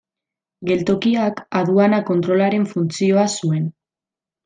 Geltokiak aduana kontrolaren funtzioa zuen.